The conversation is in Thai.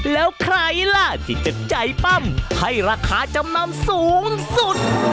แล้วใครล่ะที่จะใจปั้มให้ราคาจำนำสูงสุด